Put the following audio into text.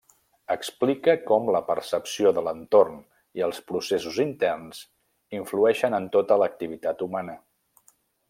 Explica com la percepció de l'entorn i els processos interns influeixen en tota l'activitat humana.